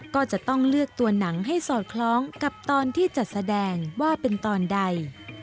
ก็จะต้องเลือกตัวหนังให้สอดคล้องกับตอนที่จัดแสดงว่าเป็นตอนใด